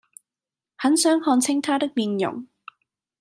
很想看清他的面容